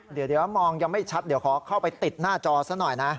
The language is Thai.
เดี๋ยวมองยังไม่ชัดเดี๋ยวขอเข้าไปติดหน้าจอซะหน่อยนะ